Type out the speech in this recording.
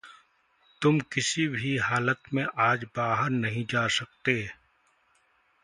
तुम किसी भी हालत में आज बाहर नहीं जा सकते।